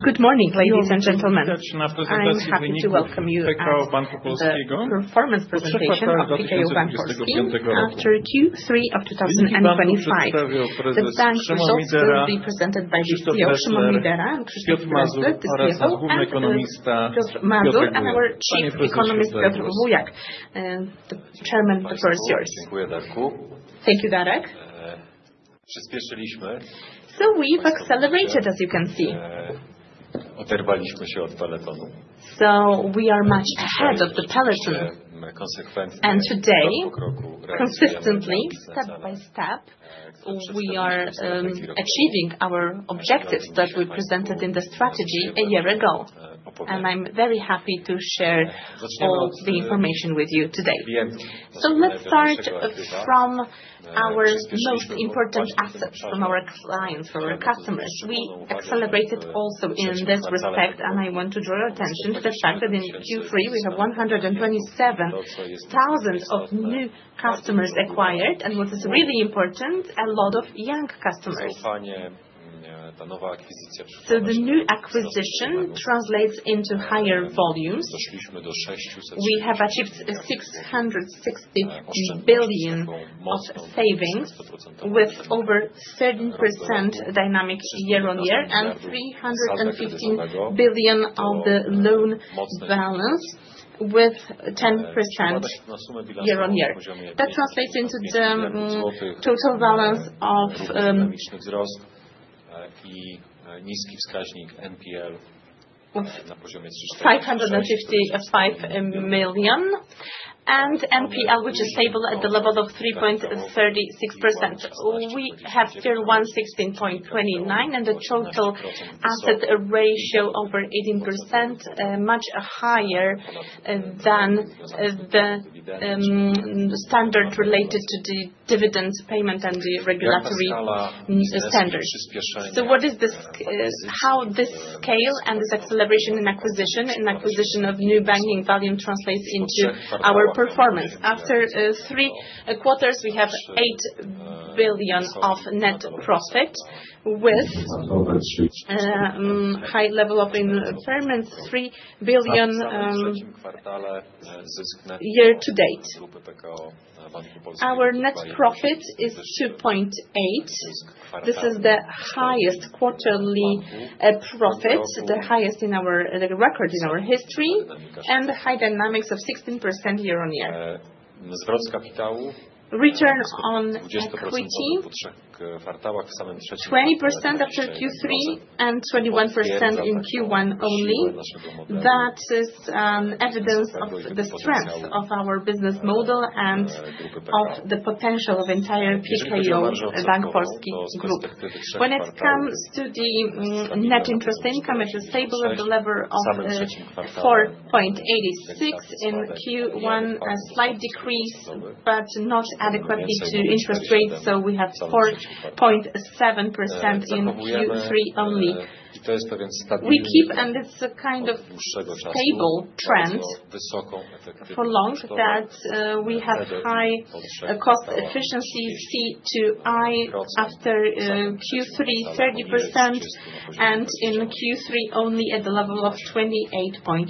Good morning, ladies and gentlemen. I'm happy to welcome you to our Performance Presentation of PKO Bank Polski after Q3 of 2025. The bank's results will be presented by the CEO, Szymon Midera, Krzysztof Dresler, the CFO, and Piotr Mazur, and our chief economist, Piotr Bujak. The Chairman, the floor is yours. Thank you, Darek. So we've accelerated, as you can see. We are much ahead of the peloton, and today, consistently, step by step, we are achieving our objectives that we presented in the strategy a year ago. I'm very happy to share all the information with you today. Let's start from our most important assets, from our clients, from our customers. We accelerated also in this respect, and I want to draw your attention to the fact that in Q3 we have 127,000 new customers acquired, and what is really important, a lot of young customers. The new acquisition translates into higher volumes. We have achieved 660 billion of savings, with over 13% dynamic year-on-year, and 315 billion of the loan balance, with 10% year-on-year. That translates into the total balance of 555 billion, and NPL, which is stable at the level of 3.36%. We have still PLN 116.29 billion, and the total asset ratio over 18%, much higher than the standard related to the dividend payment and the regulatory standards. So what is this? How this scale and this acceleration in acquisition of new banking volume translates into our performance? After three quarters, we have 8 billion of net profit, with a high level of performance PLN 3 billion year to date. Our net profit is 2.8 billion. This is the highest quarterly profit, the highest record in our history, and the high dynamics of 16% year-on-year. Return on equity: 20% after Q3 and 21% in Q1 only. That is evidence of the strength of our business model and of the potential of the entire PKO Bank Polski Group. When it comes to the net interest income, it is stable at the level of 4.86% in Q1, a slight decrease, but not adequately to interest rates, so we have 4.7% in Q3 only. We keep, and it's a kind of stable trend for long, that we have high cost efficiency, C/I after Q3, 30%, and in Q3 only at the level of 28.8%,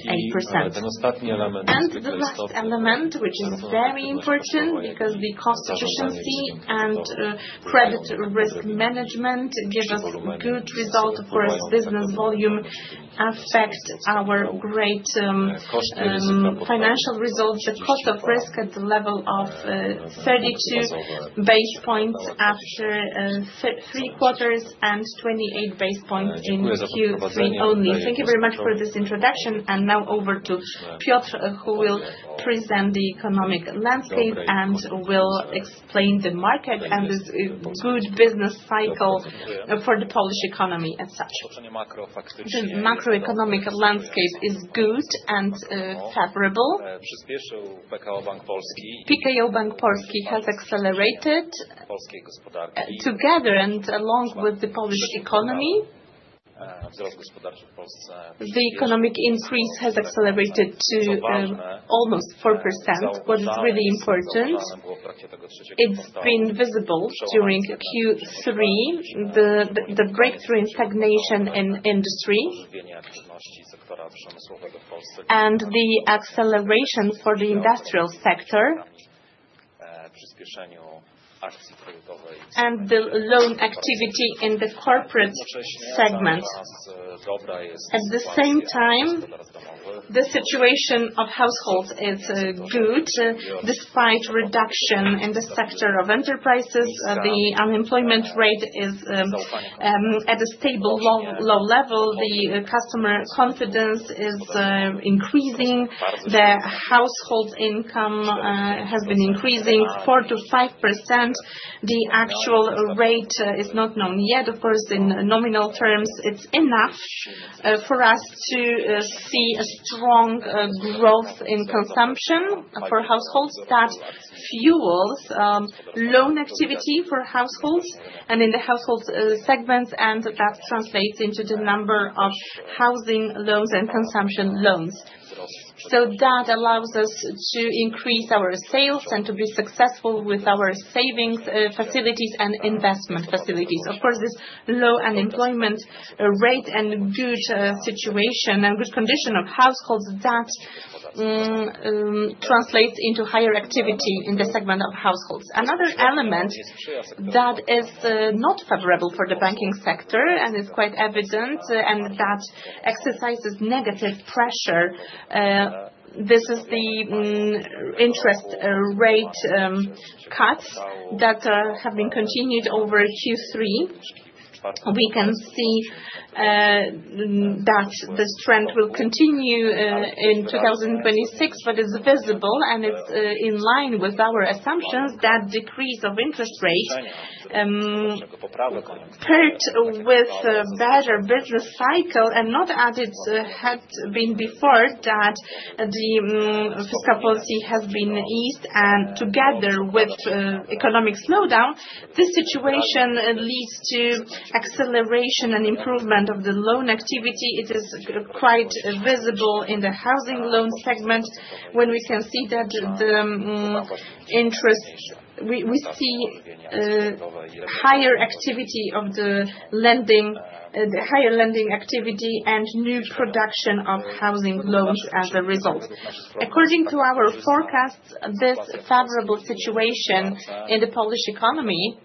and the last element, which is very important, because the cost efficiency and credit risk management give us good results for us, business volume affect our great financial results, the cost of risk at the level of 32 basis points after three quarters and 28 basis points in Q3 only. Thank you very much for this introduction, and now over to Piotr, who will present the economic landscape and will explain the market and this good business cycle for the Polish economy as such. The macroeconomic landscape is good and favorable. PKO Bank Polski has accelerated together and along with the Polish economy. The economic increase has accelerated to almost 4%, what is really important. It's been visible during Q3, the breakthrough in stagnation in industry and the acceleration for the industrial sector, and the loan activity in the corporate segment. At the same time, the situation of households is good despite reduction in the sector of enterprises. The unemployment rate is at a stable low level. The customer confidence is increasing. The household income has been increasing 4%-5%. The actual rate is not known yet. Of course, in nominal terms, it's enough for us to see a strong growth in consumption for households. That fuels loan activity for households and in the household segments, and that translates into the number of housing loans and consumption loans. So that allows us to increase our sales and to be successful with our savings facilities and investment facilities. Of course, this low unemployment rate and good situation and good condition of households that translates into higher activity in the segment of households. Another element that is not favorable for the banking sector, and it's quite evident, and that exercises negative pressure. This is the interest rate cuts that have been continued over Q3. We can see that the trend will continue in 2026, but it's visible, and it's in line with our assumptions that decrease of interest rates hurt with a better business cycle, and not as it had been before, that the fiscal policy has been eased, and together with economic slowdown, this situation leads to acceleration and improvement of the loan activity. It is quite visible in the housing loan segment when we can see that the interest, we see higher activity of the lending, the higher lending activity, and new production of housing loans as a result. According to our forecasts, this favorable situation in the Polish economy,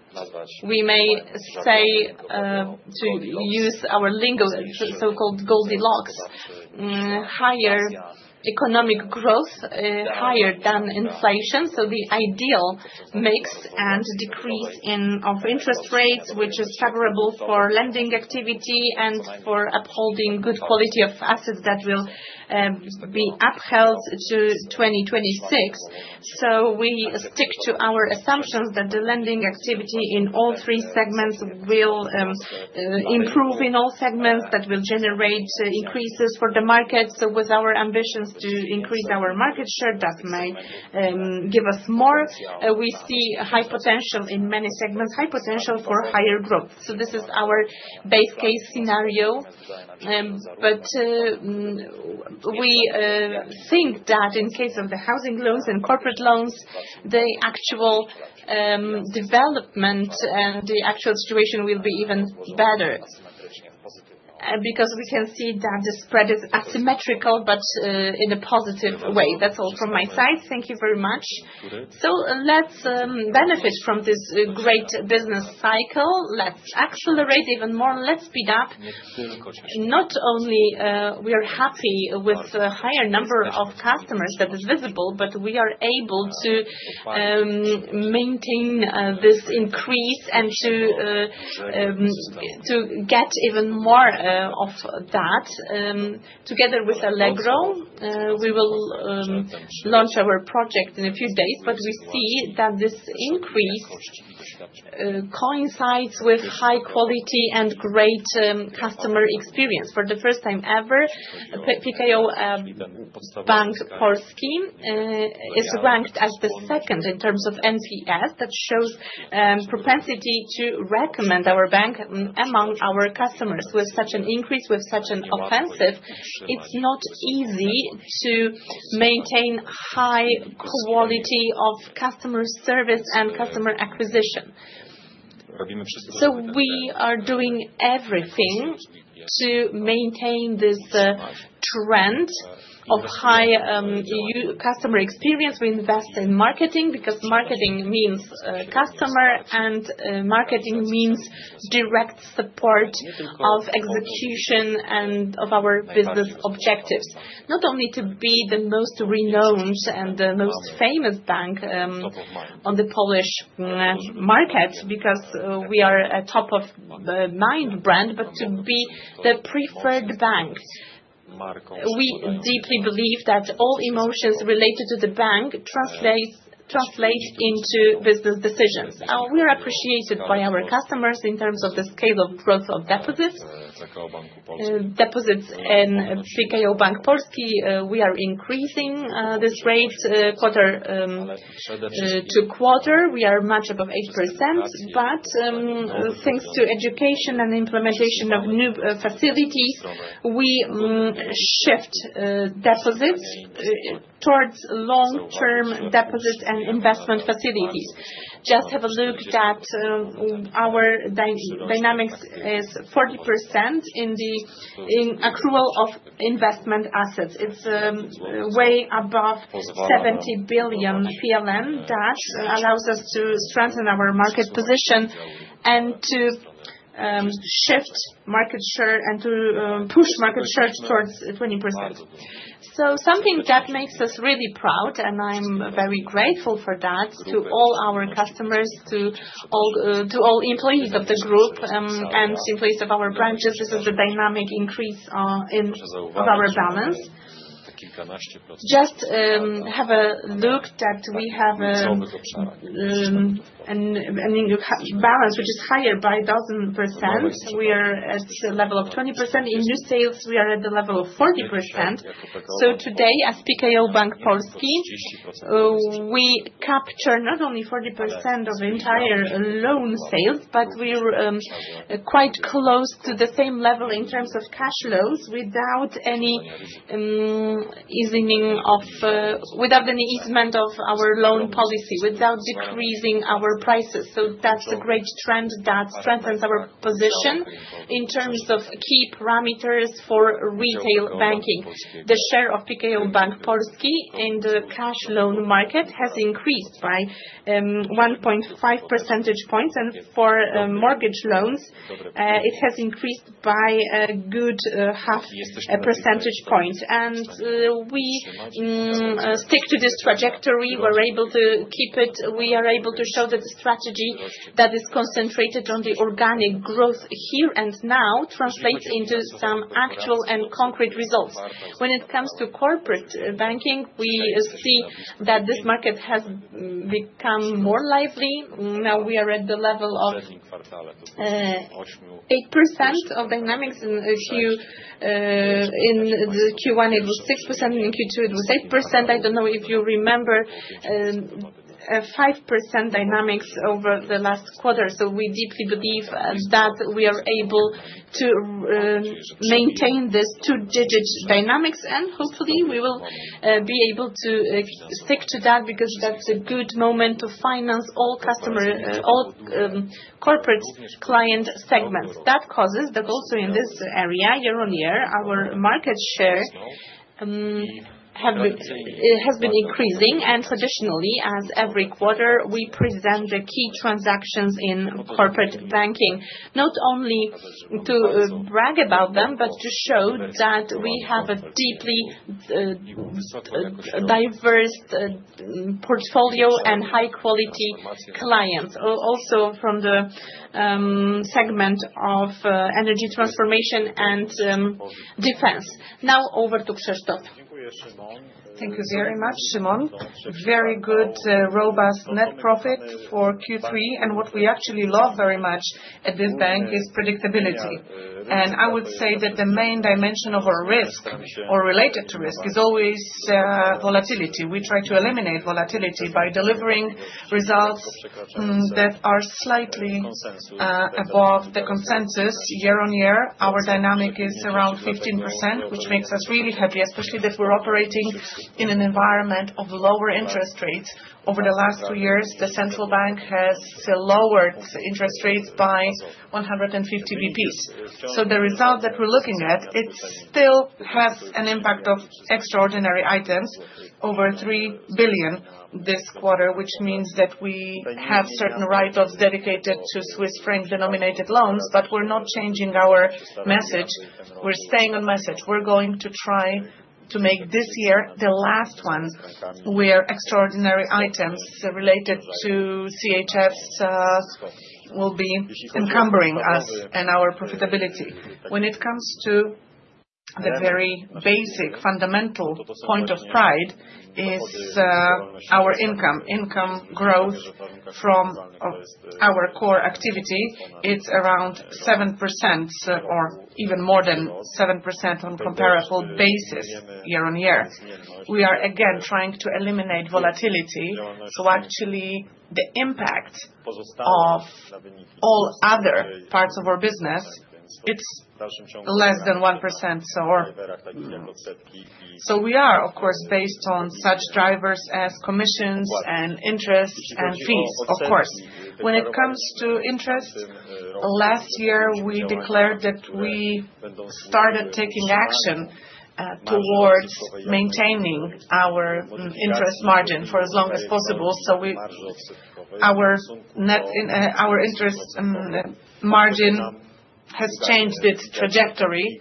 we may say to use our lingo, so-called Goldilocks, higher economic growth, higher than inflation. So the ideal mix and decrease in interest rates, which is favorable for lending activity and for upholding good quality of assets that will be upheld to 2026. So we stick to our assumptions that the lending activity in all three segments will improve in all segments, that will generate increases for the market. So with our ambitions to increase our market share, that may give us more. We see high potential in many segments, high potential for higher growth. So this is our base case scenario. But we think that in case of the housing loans and corporate loans, the actual development and the actual situation will be even better, because we can see that the spread is asymmetrical, but in a positive way. That's all from my side. Thank you very much. So let's benefit from this great business cycle. Let's accelerate even more. Let's speed up. Not only we are happy with a higher number of customers that is visible, but we are able to maintain this increase and to get even more of that. Together with Allegro, we will launch our project in a few days, but we see that this increase coincides with high quality and great customer experience. For the first time ever, PKO Bank Polski is ranked as the second in terms of NPS. That shows propensity to recommend our bank among our customers. With such an increase, with such an offensive, it's not easy to maintain high quality of customer service and customer acquisition. So we are doing everything to maintain this trend of high customer experience. We invest in marketing, because marketing means customer, and marketing means direct support of execution and of our business objectives. Not only to be the most renowned and the most famous bank on the Polish market, because we are a top-of-the-mind brand, but to be the preferred bank. We deeply believe that all emotions related to the bank translate into business decisions. We are appreciated by our customers in terms of the scale of growth of deposits. Deposits in PKO Bank Polski, we are increasing this rate quarter to quarter. We are much above 8%, but thanks to education and implementation of new facilities, we shift deposits towards long-term deposits and investment facilities. Just have a look at our dynamics: 40% in the accrual of investment assets. It's way above 70 billion. That allows us to strengthen our market position and to shift market share and to push market share towards 20%. So something that makes us really proud, and I'm very grateful for that, to all our customers, to all employees of the group, and employees of our branches. This is the dynamic increase of our balance. Just have a look that we have a balance which is higher by 100%. We are at the level of 20%. In new sales, we are at the level of 40%. So today, as PKO Bank Polski, we capture not only 40% of entire loan sales, but we are quite close to the same level in terms of cash flows, without any easing of our loan policy, without decreasing our prices. That's a great trend that strengthens our position in terms of key parameters for retail banking. The share of PKO Bank Polski in the cash loan market has increased by 1.5 percentage points, and for mortgage loans, it has increased by a good half percentage point. We stick to this trajectory. We're able to keep it. We are able to show that the strategy that is concentrated on the organic growth here and now translates into some actual and concrete results. When it comes to corporate banking, we see that this market has become more lively. Now we are at the level of 8% of dynamics. In Q1, it was 6%. In Q2, it was 8%. I don't know if you remember 5% dynamics over the last quarter. So we deeply believe that we are able to maintain this two-digit dynamics, and hopefully, we will be able to stick to that, because that's a good moment to finance all corporate client segments. That causes that also in this area, year-on-year, our market share has been increasing. And traditionally, as every quarter, we present the key transactions in corporate banking, not only to brag about them, but to show that we have a deeply diverse portfolio and high-quality clients, also from the segment of energy transformation and defense. Now over to Krzysztof. Thank you very much, Szymon. Very good, robust net profit for Q3. And what we actually love very much at this bank is predictability. And I would say that the main dimension of our risk, or related to risk, is always volatility. We try to eliminate volatility by delivering results that are slightly above the consensus. year-on-year, our dynamic is around 15%, which makes us really happy, especially that we're operating in an environment of lower interest rates. Over the last two years, the central bank has lowered interest rates by 150 basis points. So the result that we're looking at, it still has an impact of extraordinary items over 3 billion this quarter, which means that we have certain write-offs dedicated to Swiss franc denominated loans, but we're not changing our message. We're staying on message. We're going to try to make this year the last one where extraordinary items related to CHF will be encumbering us and our profitability. When it comes to the very basic fundamental point of pride, it is our income. Income growth from our core activity, it's around 7% or even more than 7% on a comparable basis year-on-year. We are again trying to eliminate volatility, so actually, the impact of all other parts of our business, it's less than 1%, so we are, of course, based on such drivers as commissions and interest and fees, of course. When it comes to interest, last year we declared that we started taking action towards maintaining our interest margin for as long as possible, so our interest margin has changed its trajectory,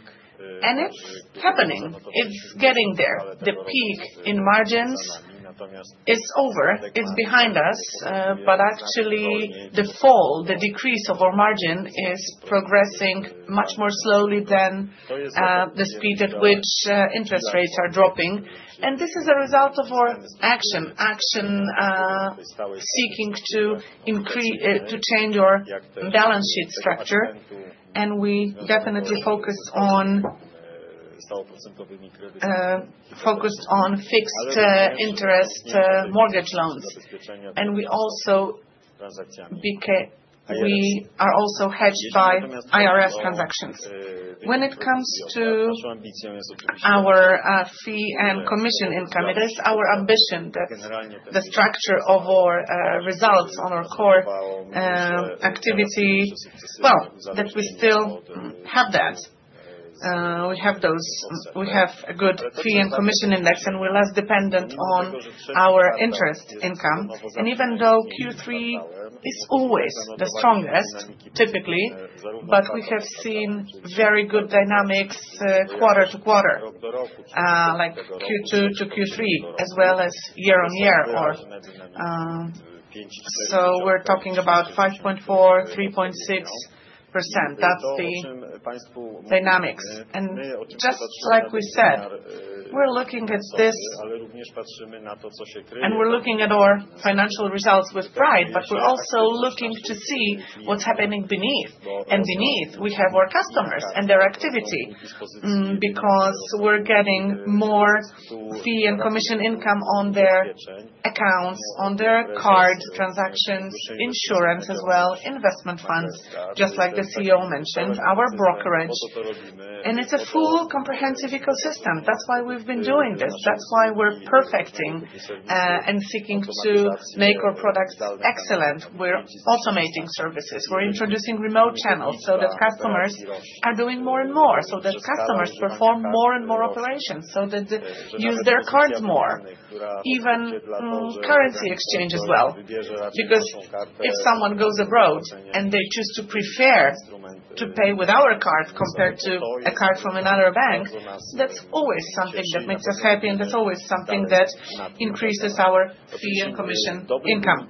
and it's happening. It's getting there. The peak in margins is over. It's behind us, but actually, the fall, the decrease of our margin is progressing much more slowly than the speed at which interest rates are dropping, and this is a result of our action, action seeking to change our balance sheet structure. We definitely focused on fixed interest mortgage loans. We are also hedged by IRS transactions. When it comes to our fee and commission income, it is our ambition that the structure of our results on our core activity, well, that we still have that. We have those. We have a good fee and commission index, and we're less dependent on our interest income. Even though Q3 is always the strongest, typically, but we have seen very good dynamics quarter to quarter, like Q2 to Q3, as well as year-on-year. We're talking about 5.4%, 3.6%. That's the dynamics. Just like we said, we're looking at this, and we're looking at our financial results with pride, but we're also looking to see what's happening beneath. And beneath, we have our customers and their activity, because we're getting more fee and commission income on their accounts, on their card transactions, insurance as well, investment funds, just like the CEO mentioned, our brokerage. And it's a full comprehensive ecosystem. That's why we've been doing this. That's why we're perfecting and seeking to make our products excellent. We're automating services. We're introducing remote channels so that customers are doing more and more, so that customers perform more and more operations, so that they use their cards more, even currency exchange as well. Because if someone goes abroad and they choose to prefer to pay with our card compared to a card from another bank, that's always something that makes us happy, and that's always something that increases our fee and commission income.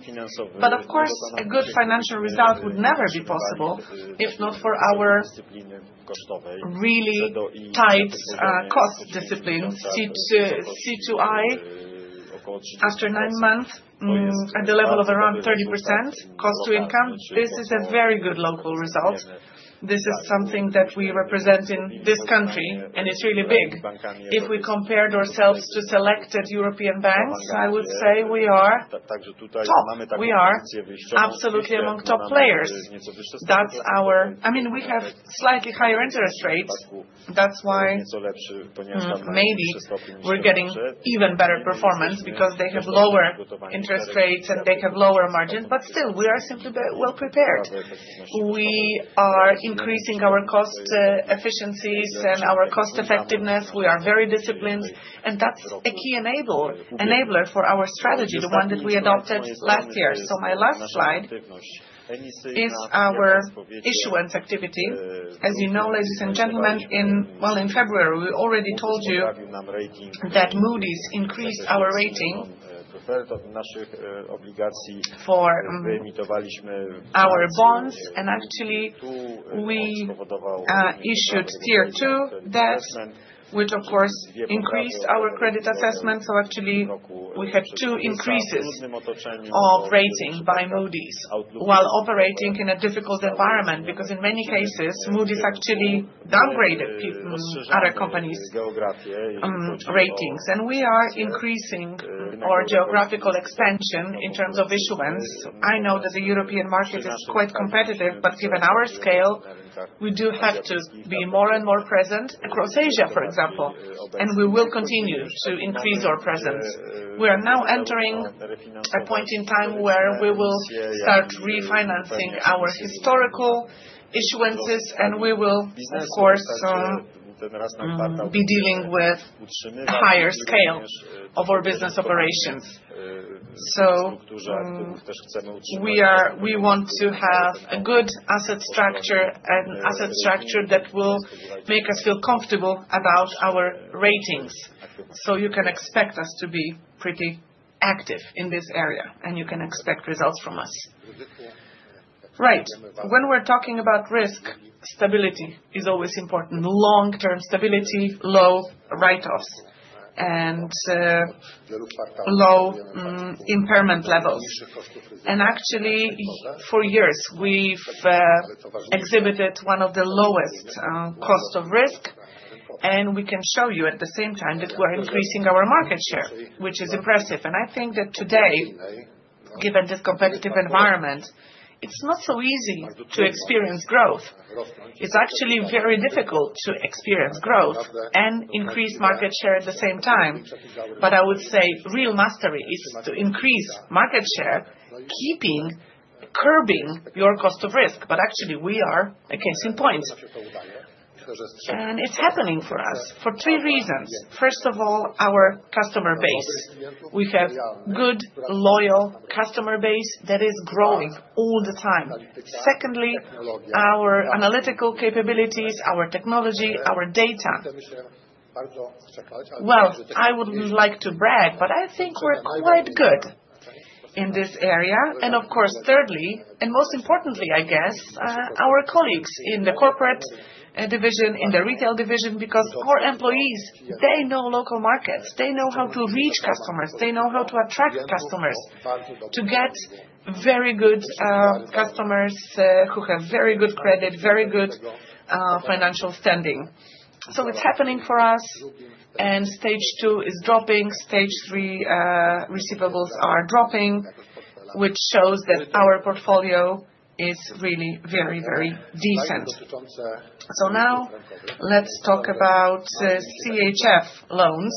But of course, a good financial result would never be possible if not for our really tight cost discipline. C/I, after nine months, at the level of around 30% cost to income. This is a very good local result. This is something that we represent in this country, and it's really big. If we compared ourselves to selected European banks, I would say we are top. We are absolutely among top players. I mean, we have slightly higher interest rates. That's why maybe we're getting even better performance, because they have lower interest rates and they have lower margins. But still, we are simply well prepared. We are increasing our cost efficiencies and our cost effectiveness. We are very disciplined, and that's a key enabler for our strategy, the one that we adopted last year. So my last slide is our issuance activity. As you know, ladies and gentlemen, well, in February, we already told you that Moody's increased our rating for our bonds, and actually, we issued Tier 2 debt, which of course increased our credit assessment, so actually, we had two increases of rating by Moody's while operating in a difficult environment, because in many cases, Moody's actually downgraded other companies' ratings, and we are increasing our geographical expansion in terms of issuance. I know that the European market is quite competitive, but given our scale, we do have to be more and more present across Asia, for example, and we will continue to increase our presence. We are now entering a point in time where we will start refinancing our historical issuances, and we will, of course, be dealing with higher scale of our business operations. We want to have a good asset structure and asset structure that will make us feel comfortable about our ratings. You can expect us to be pretty active in this area, and you can expect results from us. Right. When we're talking about risk, stability is always important. Long-term stability, low write-offs, and low impairment levels. Actually, for years, we've exhibited one of the lowest cost of risk, and we can show you at the same time that we are increasing our market share, which is impressive. I think that today, given this competitive environment, it's not so easy to experience growth. It's actually very difficult to experience growth and increase market share at the same time. I would say real mastery is to increase market share, keeping curbing your cost of risk. Actually, we are a case in point. It's happening for us for three reasons. First of all, our customer base. We have a good, loyal customer base that is growing all the time. Secondly, our analytical capabilities, our technology, our data. I wouldn't like to brag, but I think we're quite good in this area. Of course, thirdly, and most importantly, I guess, our colleagues in the corporate division, in the retail division, because our employees, they know local markets. They know how to reach customers. They know how to attract customers to get very good customers who have very good credit, very good financial standing. It's happening for us, and Stage 2 is dropping. Stage 3 receivables are dropping, which shows that our portfolio is really very, very decent. Now let's talk about CHF loans.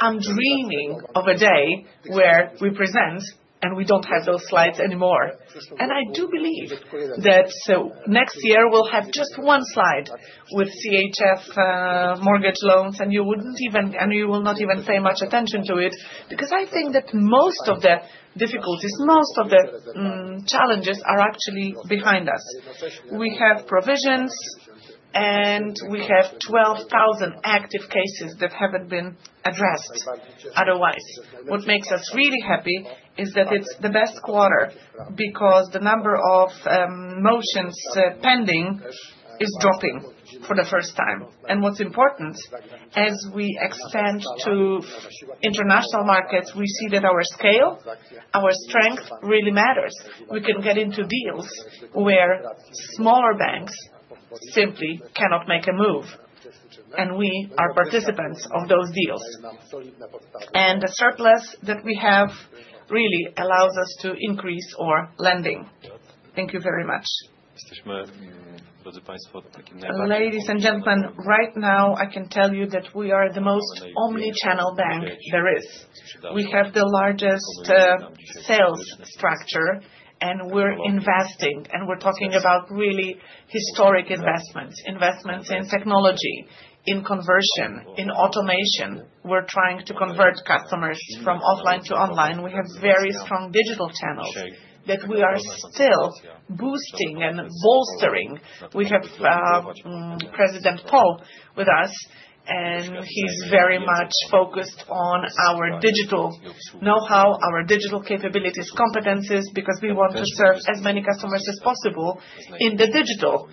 I'm dreaming of a day where we present, and we don't have those slides anymore. I do believe that next year we'll have just one slide with CHF mortgage loans, and you will not even pay much attention to it, because I think that most of the difficulties, most of the challenges are actually behind us. We have provisions, and we have 12,000 active cases that haven't been addressed otherwise. What makes us really happy is that it's the best quarter, because the number of motions pending is dropping for the first time. What's important, as we extend to international markets, we see that our scale, our strength really matters. We can get into deals where smaller banks simply cannot make a move, and we are participants of those deals. The surplus that we have really allows us to increase our lending. Thank you very much. Ladies and gentlemen, right now I can tell you that we are the most omnichannel bank there is. We have the largest sales structure, and we're investing, and we're talking about really historic investments, investments in technology, in conversion, in automation. We're trying to convert customers from offline to online. We have very strong digital channels that we are still boosting and bolstering. We have President Paweł with us, and he's very much focused on our digital know-how, our digital capabilities, competencies, because we want to serve as many customers as possible in the digital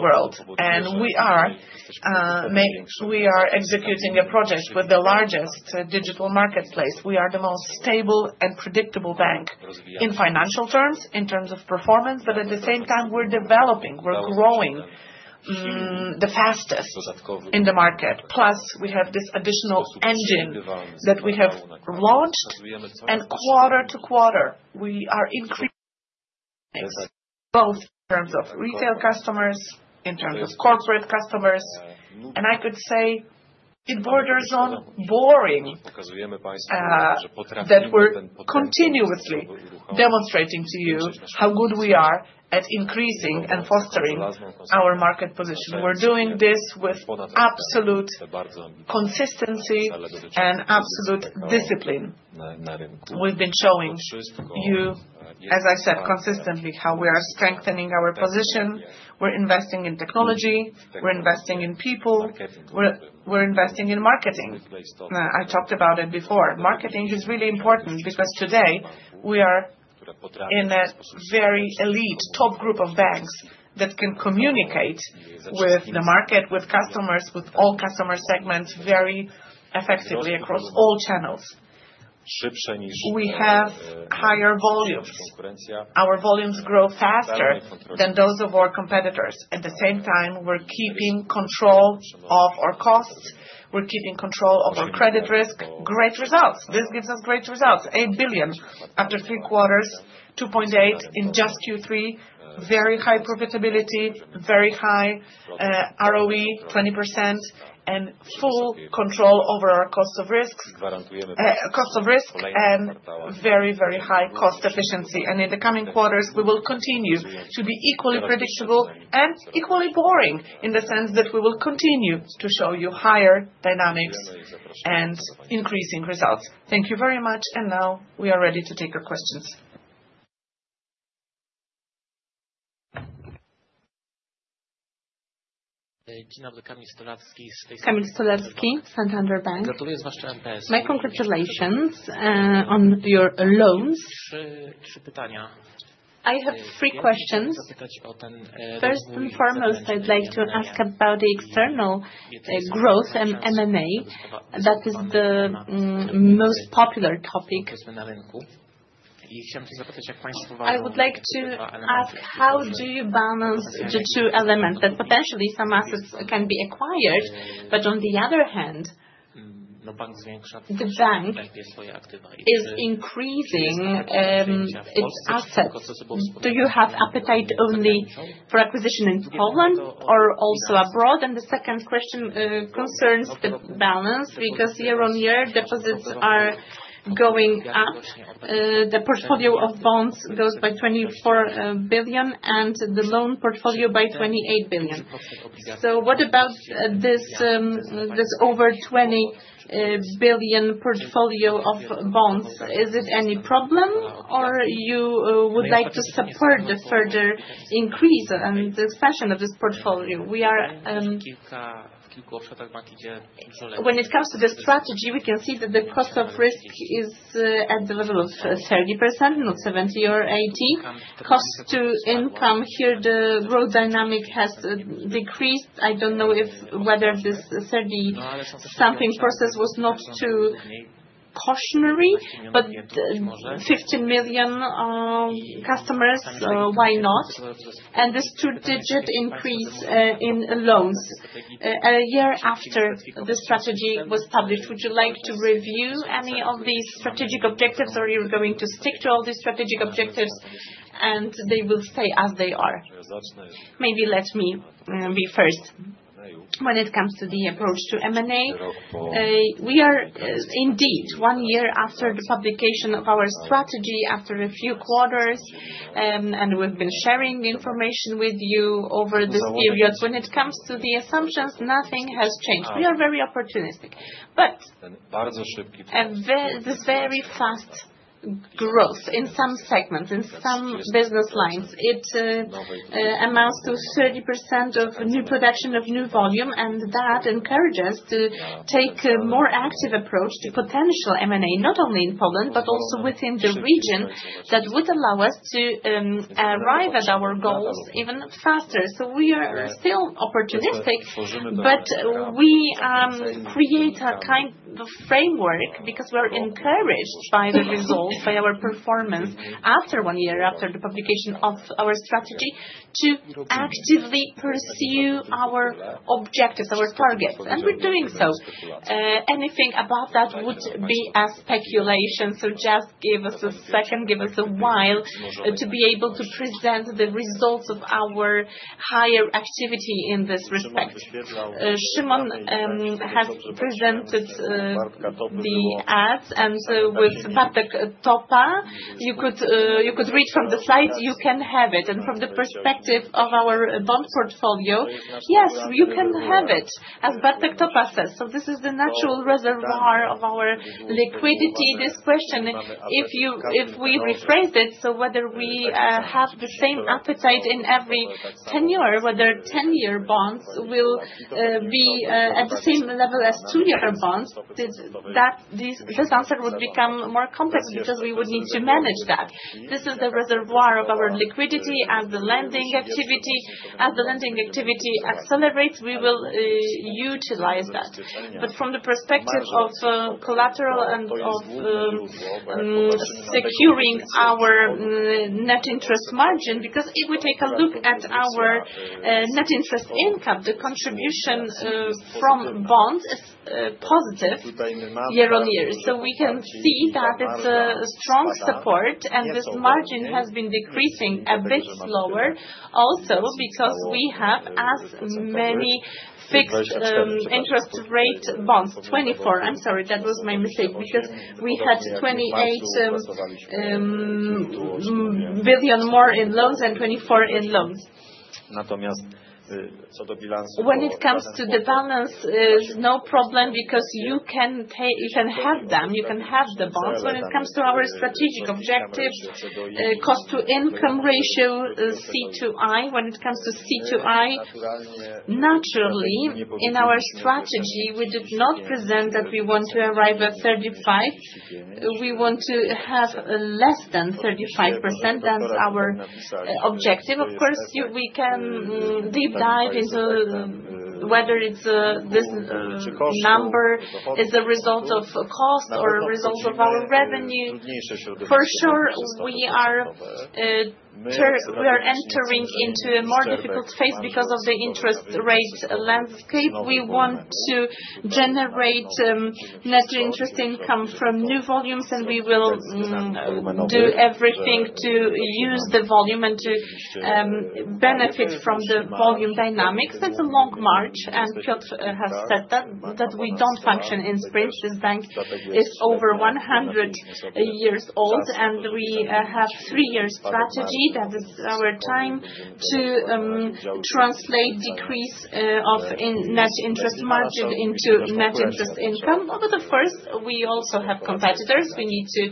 world, and we are executing a project with the largest digital marketplace. We are the most stable and predictable bank in financial terms, in terms of performance, but at the same time, we're developing, we're growing the fastest in the market. Plus, we have this additional engine that we have launched, and quarter to quarter, we are increasing both in terms of retail customers, in terms of corporate customers. And I could say it borders on boring that we're continuously demonstrating to you how good we are at increasing and fostering our market position. We're doing this with absolute consistency and absolute discipline. We've been showing you, as I said, consistently how we are strengthening our position. We're investing in technology. We're investing in people. We're investing in marketing. I talked about it before. Marketing is really important, because today we are in a very elite top group of banks that can communicate with the market, with customers, with all customer segments very effectively across all channels. We have higher volumes. Our volumes grow faster than those of our competitors. At the same time, we're keeping control of our costs. We're keeping control of our credit risk. Great results. This gives us great results. 8 billion after three quarters, 2.8 billion in just Q3. Very high profitability, very high ROE, 20%, and full control over our cost of risk, and very, very high cost efficiency, and in the coming quarters, we will continue to be equally predictable and equally boring in the sense that we will continue to show you higher dynamics and increasing results. Thank you very much, and now we are ready to take your questions. Kamil Stolarski, Santander Bank. My congratulations on your loans. I have three questions. First and foremost, I'd like to ask about the external growth and M&A. That is the most popular topic. I would like to ask how do you balance the two elements that potentially some assets can be acquired, but on the other hand, the bank is increasing its assets. Do you have appetite only for acquisition in Poland or also abroad, and the second question concerns the balance, because year-on-year, deposits are going up. The portfolio of bonds grows by 24 billion, and the loan portfolio by 28 billion. So what about this over 20 billion portfolio of bonds? Is it any problem, or you would like to support the further increase and expansion of this portfolio? When it comes to the strategy, we can see that the cost of risk is at the level of 30%, not 70% or 80%. Cost to income here, the growth dynamic has decreased. I don't know whether this 30-something process was not too cautionary, but 15 million customers, why not, and this two-digit increase in loans a year after the strategy was published. Would you like to review any of these strategic objectives, or you're going to stick to all these strategic objectives, and they will stay as they are? Maybe let me be first. When it comes to the approach to M&A, we are indeed one year after the publication of our strategy, after a few quarters, and we've been sharing the information with you over this period. When it comes to the assumptions, nothing has changed. We are very opportunistic, but this very fast growth in some segments, in some business lines, it amounts to 30% of new production of new volume, and that encourages us to take a more active approach to potential M&A, not only in Poland, but also within the region that would allow us to arrive at our goals even faster. So we are still opportunistic, but we create a kind of framework because we're encouraged by the results, by our performance after one year, after the publication of our strategy, to actively pursue our objectives, our targets, and we're doing so. Anything above that would be speculation. So just give us a second, give us a while to be able to present the results of our higher activity in this respect. Szymon has presented the ads, and with Bartek Topa, you could read from the slides, you can have it. And from the perspective of our bond portfolio, yes, you can have it, as Bartek Topa says. So this is the natural reservoir of our liquidity. This question, if we rephrase it, so whether we have the same appetite in every tenure, whether ten-year bonds will be at the same level as two-year bonds, this answer would become more complex because we would need to manage that. This is the reservoir of our liquidity. As the lending activity accelerates, we will utilize that. But from the perspective of collateral and of securing our net interest margin, because if we take a look at our net interest income, the contribution from bonds is positive year-on-year. We can see that it's a strong support, and this margin has been decreasing a bit slower also because we have as many fixed interest rate bonds. 24, I'm sorry, that was my mistake, because we had 28 billion more in loans and 24 billion in loans. When it comes to the balance, there's no problem because you can have them, you can have the bonds. When it comes to our strategic objectives, cost to income ratio, C/I, when it comes to C/I, naturally, in our strategy, we did not present that we want to arrive at 35%. We want to have less than 35%. That's our objective. Of course, we can deep dive into whether this number is a result of cost or a result of our revenue. For sure, we are entering into a more difficult phase because of the interest rate landscape. We want to generate net interest income from new volumes, and we will do everything to use the volume and to benefit from the volume dynamics. That's a long march, and Piotr has said that we don't function in sprints. This bank is over 100 years old, and we have a three-year strategy. That is our time to translate the decrease of net interest margin into net interest income. But of course, we also have competitors. We need to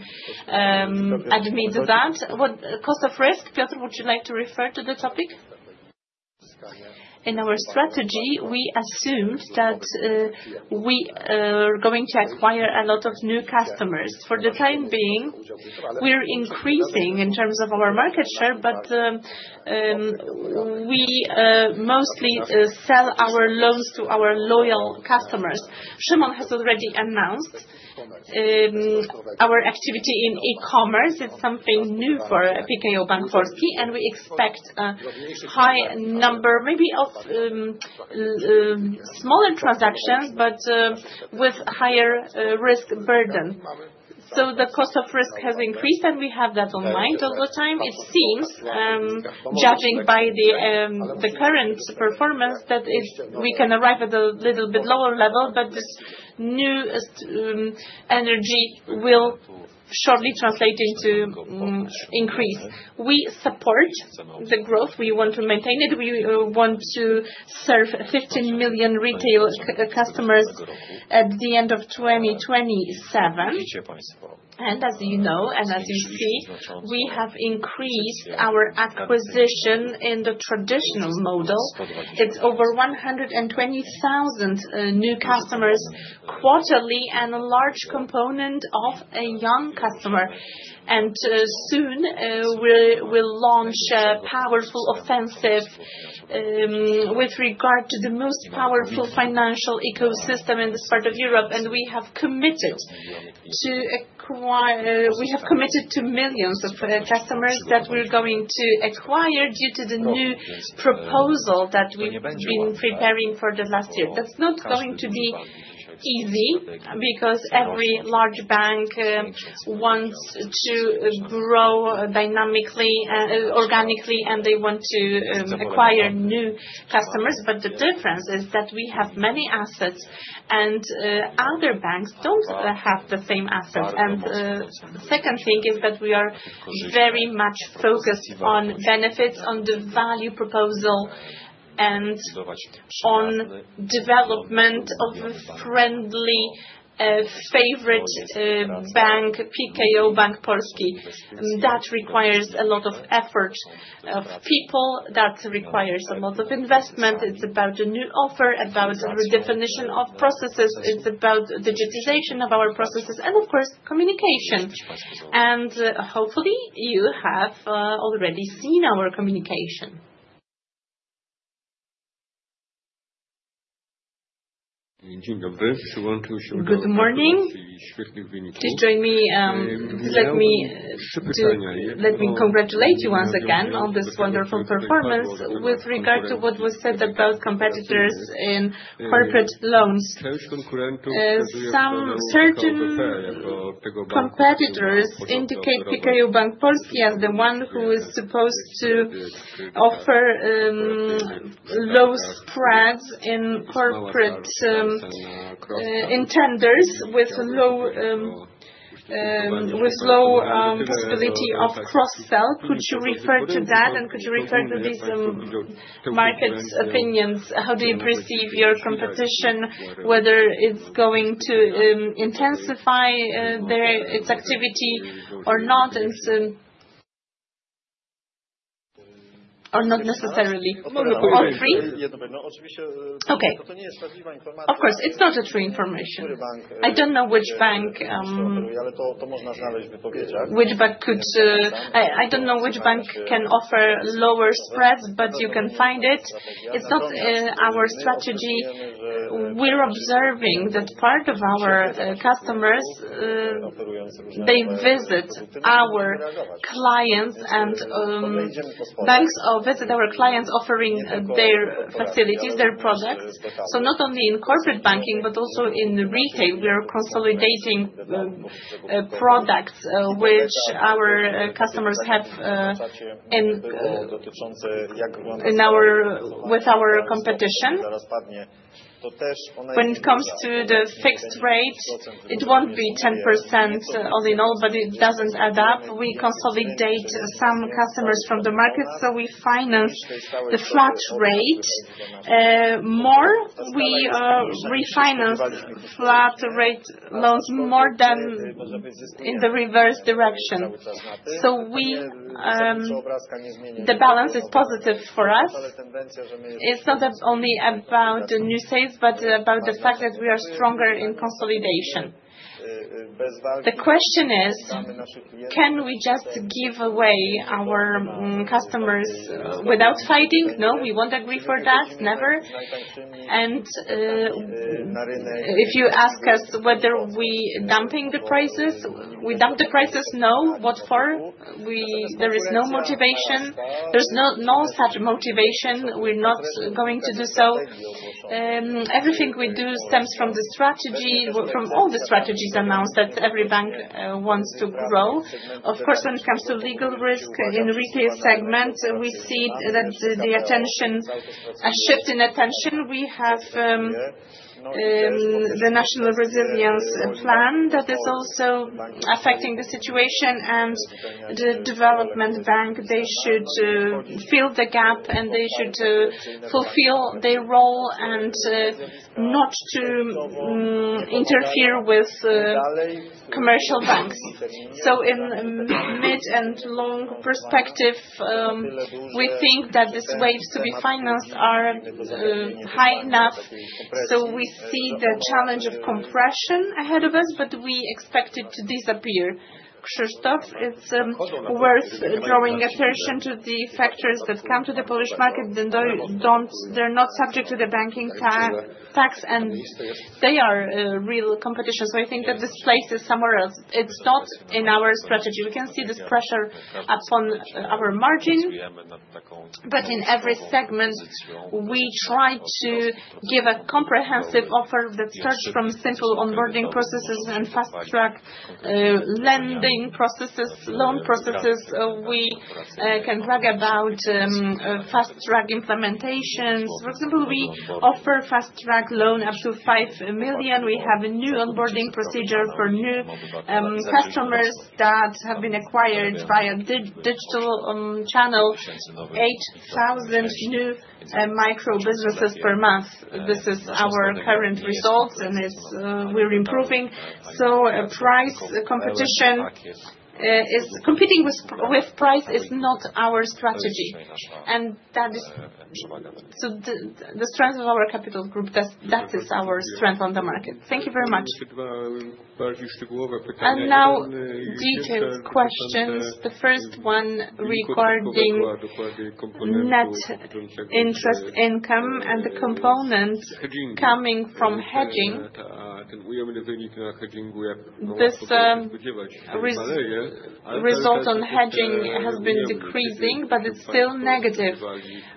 admit that. What cost of risk? Piotr, would you like to refer to the topic? In our strategy, we assumed that we are going to acquire a lot of new customers. For the time being, we're increasing in terms of our market share, but we mostly sell our loans to our loyal customers. Szymon has already announced our activity in e-commerce. It's something new for PKO Bank Polski, and we expect a high number, maybe of smaller transactions, but with a higher risk burden. So the cost of risk has increased, and we have that in mind all the time. It seems, judging by the current performance, that we can arrive at a little bit lower level, but this new energy will surely translate into an increase. We support the growth. We want to maintain it. We want to serve 15 million retail customers at the end of 2027, and as you know, and as you see, we have increased our acquisition in the traditional model. It's over 120,000 new customers quarterly and a large component of a young customer, and soon, we will launch a powerful offensive with regard to the most powerful financial ecosystem in this part of Europe, and we have committed to millions of customers that we're going to acquire due to the new proposal that we've been preparing for the last year. That's not going to be easy, because every large bank wants to grow dynamically, organically, and they want to acquire new customers. But the difference is that we have many assets, and other banks don't have the same assets. And the second thing is that we are very much focused on benefits, on the value proposition, and on development of a friendly, favorite bank, PKO Bank Polski. That requires a lot of effort of people. That requires a lot of investment. It's about a new offer, about a redefinition of processes. It's about digitization of our processes, and of course, communication. And hopefully, you have already seen our communication. Good morning. Please join me. Please let me congratulate you once again on this wonderful performance with regard to what was said about competitors in corporate loans. Certain competitors indicate PKO Bank Polski as the one who is supposed to offer low spreads in corporate lending with low possibility of cross-sell. Could you refer to that, and could you refer to these market opinions? How do you perceive your competition, whether it's going to intensify its activity or not, or not necessarily? Of course, it's not a true information. I don't know which bank could offer lower spreads, but you can find it. It's not our strategy. We're observing that part of our customers, they visit our clients, and banks visit our clients offering their facilities, their products, so not only in corporate banking, but also in retail, we are consolidating products which our customers have in our competition. When it comes to the fixed rate, it won't be 10% all in all, but it doesn't add up. We consolidate some customers from the market, so we finance the flat rate more. We refinance flat rate loans more than in the reverse direction, so the balance is positive for us. It's not only about new sales, but about the fact that we are stronger in consolidation. The question is, can we just give away our customers without fighting? No, we won't agree for that, never. And if you ask us whether we're dumping the prices, we dump the prices, no. What for? There is no motivation. There's no such motivation. We're not going to do so. Everything we do stems from the strategy. From all the strategies announced that every bank wants to grow. Of course, when it comes to legal risk in the retail segment, we see that the shift in attention. We have the National Recovery Plan that is also affecting the situation, and the development bank, they should fill the gap, and they should fulfill their role and not interfere with commercial banks. So in the mid and long perspective, we think that these waves to be financed are high enough. So we see the challenge of compression ahead of us, but we expect it to disappear. Krzysztof, it's worth drawing attention to the factors that come to the Polish market. They're not subject to the banking tax, and they are real competition. So I think that this place is somewhere else. It's not in our strategy. We can see this pressure upon our margin, but in every segment, we try to give a comprehensive offer that starts from simple onboarding processes and fast-track lending processes, loan processes. We can brag about fast-track implementations. For example, we offer fast-track loan up to five million. We have a new onboarding procedure for new customers that have been acquired via digital channel, 8,000 new micro-businesses per month. This is our current result, and we're improving. So, competition is competing with price is not our strategy. And that is the strength of our capital group. That is our strength on the market. Thank you very much. And now, detailed questions. The first one, regarding net interest income and the component coming from hedging. This result on hedging has been decreasing, but it's still negative.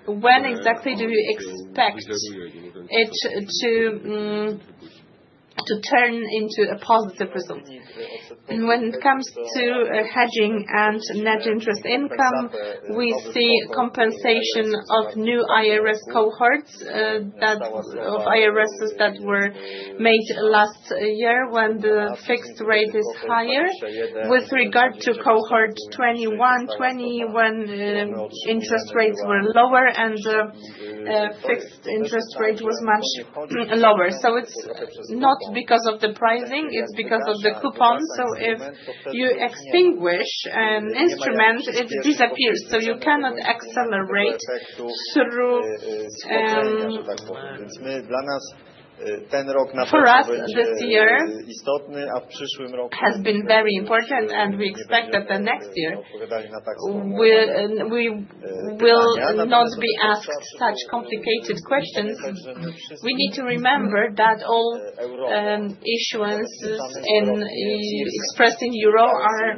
When exactly do you expect it to turn into a positive result? And when it comes to hedging and net interest income, we see compensation of new IRS cohorts of IRSs that were made last year when the fixed rate is higher. With regard to Cohort 21, 21 interest rates were lower, and the fixed interest rate was much lower. So it's not because of the pricing, it's because of the coupon. So if you extinguish an instrument, it disappears. So you cannot accelerate through for us this year has been very important, and we expect that the next year we will not be asked such complicated questions. We need to remember that all issuance expressed in euro are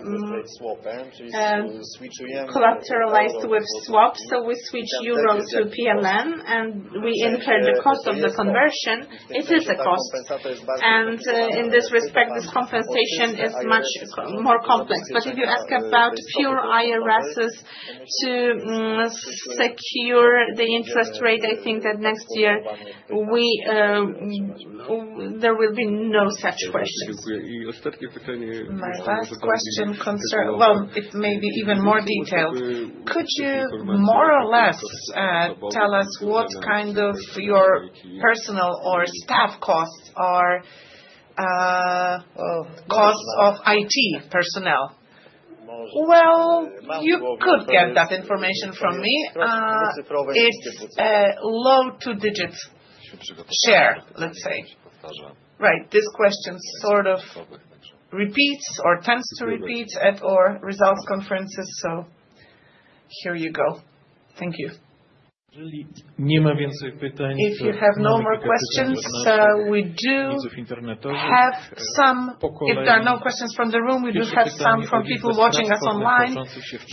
collateralized with swaps. So we switch euro to PLN, and we incur the cost of the conversion. It is a cost. And in this respect, this compensation is much more complex. But if you ask about pure IRSs to secure the interest rate, I think that next year there will be no such questions. My last question, well, it may be even more detailed. Could you more or less tell us what kind of your personal or staff costs are? Costs of IT personnel? Well, you could get that information from me. It's a low two-digit share, let's say. Right. This question sort of repeats or tends to repeat at our results conferences. So here you go. Thank you. If you have no more questions, we do have some. If there are no questions from the room, we do have some from people watching us online.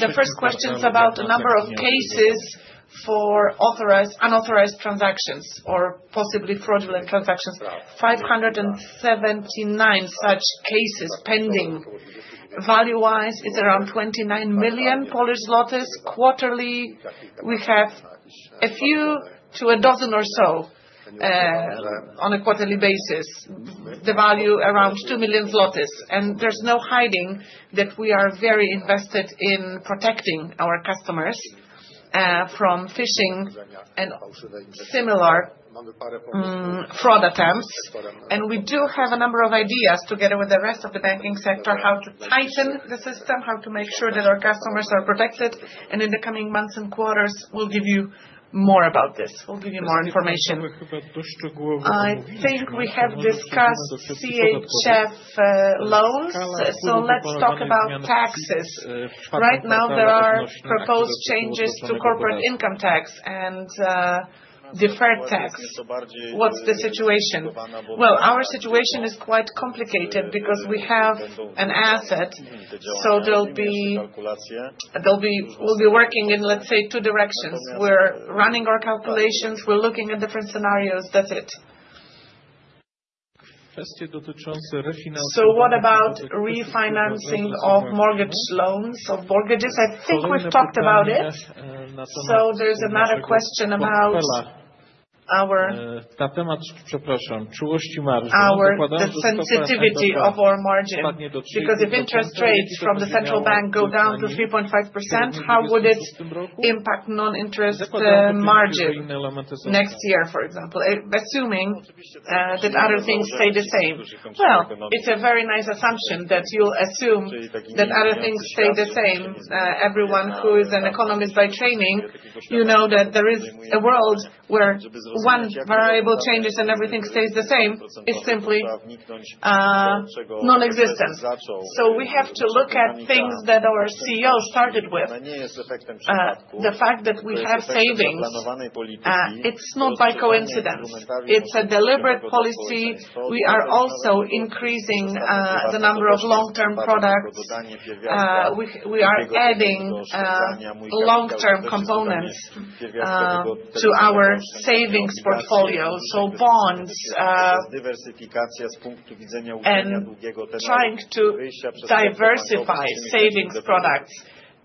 The first question is about the number of cases for unauthorized transactions or possibly fraudulent transactions. 579 such cases pending. Value-wise, it's around 29 million Polish zlotys. Quarterly, we have a few to a dozen or so on a quarterly basis. The value is around 2 million zlotys. And there's no hiding that we are very invested in protecting our customers from phishing and similar fraud attempts. And we do have a number of ideas together with the rest of the banking sector how to tighten the system, how to make sure that our customers are protected. In the coming months and quarters, we'll give you more about this. We'll give you more information. I think we have discussed CHF loans. Let's talk about taxes. Right now, there are proposed changes to corporate income tax and deferred tax. What's the situation? Our situation is quite complicated because we have an asset. We'll be working in, let's say, two directions. We're running our calculations. We're looking at different scenarios. That's it. What about refinancing of mortgage loans? I think we've talked about it. There's another question about our sensitivity of our margin. Because if interest rates from the central bank go down to 3.5%, how would it impact non-interest margin next year, for example, assuming that other things stay the same? It's a very nice assumption that you'll assume that other things stay the same. Everyone who is an economist by training, you know that there is a world where one variable changes and everything stays the same. It's simply non-existent, so we have to look at things that our CEO started with. The fact that we have savings, it's not by coincidence. It's a deliberate policy. We are also increasing the number of long-term products. We are adding long-term components to our savings portfolio, so bonds, trying to diversify savings products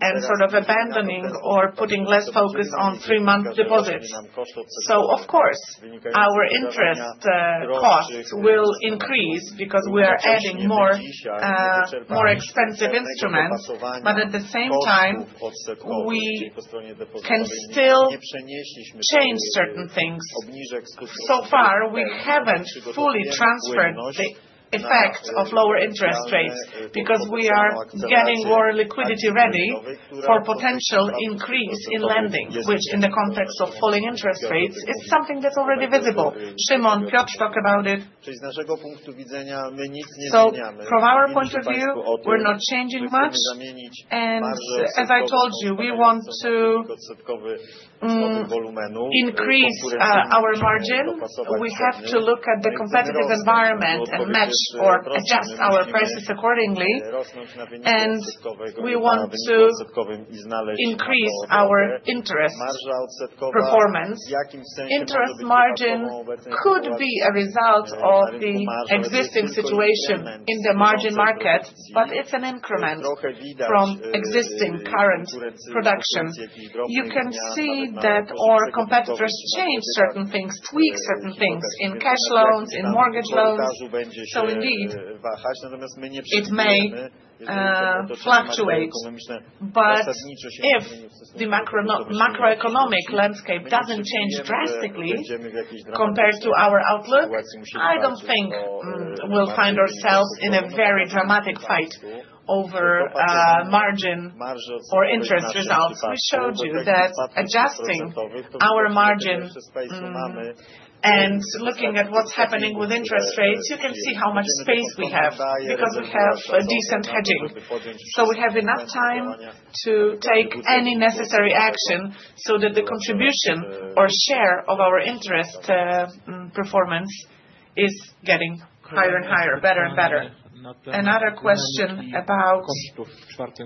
and sort of abandoning or putting less focus on three-month deposits. Of course, our interest cost will increase because we are adding more expensive instruments, but at the same time, we can still change certain things. So far, we haven't fully transferred the effect of lower interest rates because we are getting more liquidity ready for potential increase in lending, which in the context of falling interest rates is something that's already visible. Szymon, Piotr talked about it, so from our point of view, we're not changing much, and as I told you, we want to increase our margin. We have to look at the competitive environment and match or adjust our prices accordingly, and we want to increase our interest performance. Interest margin could be a result of the existing situation in the margin market, but it's an increment from existing current production. You can see that our competitors change certain things, tweak certain things in cash loans, in mortgage loans, so indeed, it may fluctuate. But if the macroeconomic landscape doesn't change drastically compared to our outlook, I don't think we'll find ourselves in a very dramatic fight over margin or interest results. We showed you that adjusting our margin and looking at what's happening with interest rates, you can see how much space we have because we have decent hedging. So we have enough time to take any necessary action so that the contribution or share of our interest performance is getting higher and higher, better and better. Another question about costs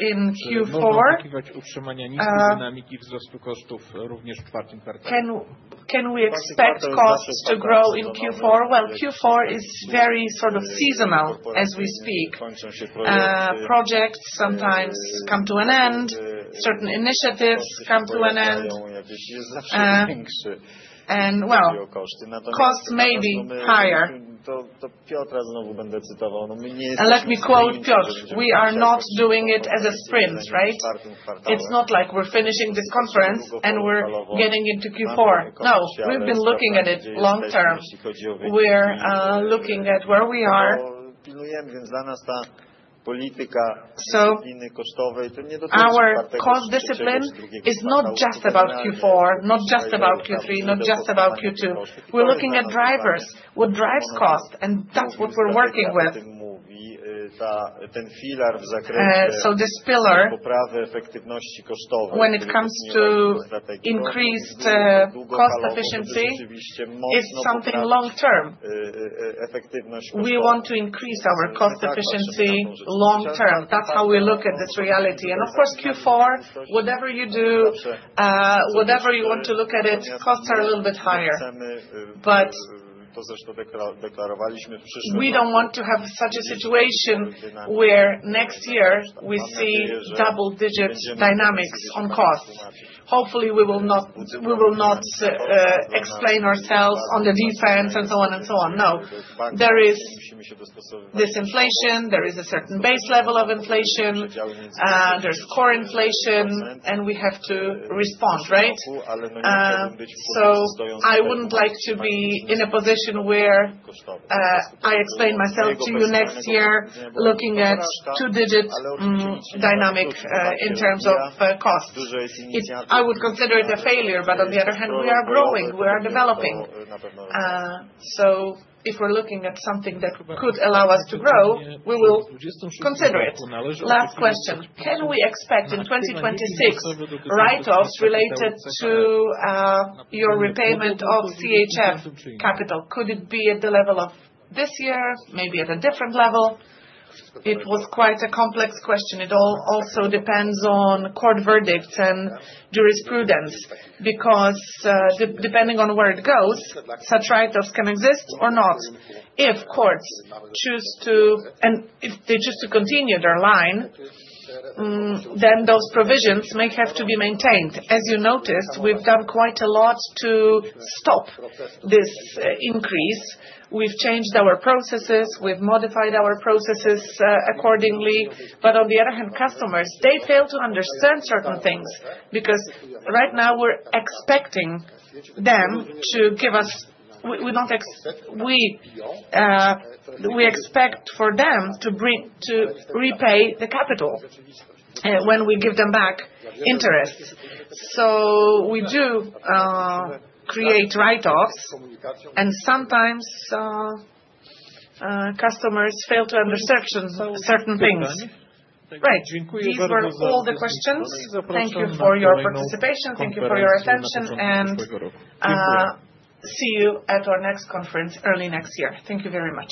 in Q4. Can we expect costs to grow in Q4? Well, Q4 is very sort of seasonal as we speak. Projects sometimes come to an end. Certain initiatives come to an end, and well, costs may be higher. Let me quote Piotr. We are not doing it as a sprint, right? It's not like we're finishing this conference and we're getting into Q4. No, we've been looking at it long term. We're looking at where we are. So our cost discipline is not just about Q4, not just about Q3, not just about Q2. We're looking at drivers. What drives cost? And that's what we're working with. So this pillar, when it comes to increased cost efficiency, it's something long term. We want to increase our cost efficiency long term. That's how we look at this reality. And of course, Q4, whatever you do, whatever you want to look at it, costs are a little bit higher. But we don't want to have such a situation where next year we see double-digit dynamics on costs. Hopefully, we will not explain ourselves on the defense and so on and so on. No, there is disinflation. There is a certain base level of inflation. There's core inflation, and we have to respond, right? So I wouldn't like to be in a position where I explain myself to you next year looking at two-digit dynamic in terms of costs. I would consider it a failure, but on the other hand, we are growing. We are developing. So if we're looking at something that could allow us to grow, we will consider it. Last question. Can we expect in 2026 write-offs related to your repayment of CHF capital? Could it be at the level of this year, maybe at a different level? It was quite a complex question. It also depends on court verdicts and jurisprudence because depending on where it goes, such write-offs can exist or not. If courts choose to, and if they choose to continue their line, then those provisions may have to be maintained. As you noticed, we've done quite a lot to stop this increase. We've changed our processes. We've modified our processes accordingly. But on the other hand, customers, they fail to understand certain things because right now we're expecting them to give us. We expect for them to repay the capital when we give them back interest. So we do create write-offs, and sometimes customers fail to understand certain things. Right. These were all the questions. Thank you for your participation. Thank you for your attention, and see you at our next conference early next year. Thank you very much.